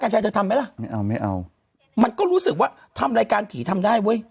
ชัยเธอทำไหมล่ะไม่เอาไม่เอามันก็รู้สึกว่าทำรายการผีทำได้เว้ย